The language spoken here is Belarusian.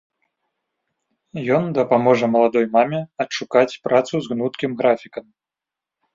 Ён дапаможа маладой маме адшукаць працу з гнуткім графікам.